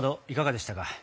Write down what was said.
いかがでしたか？